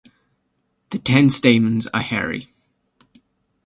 The ten stamens are hairy.